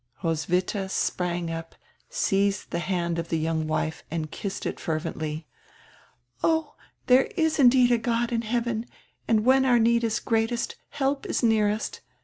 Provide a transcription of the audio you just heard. Roswitha sprang up, seized the hand of die young wife and kissed it fervendy. "Oh, there is indeed a God in heaven, and when our need is greatest help is nearest.